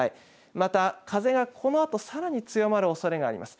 また、風がこのあとさらに強まるおそれがあります。